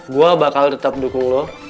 gue bakal tetap dukung lo